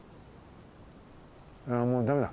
ああもうだめだ。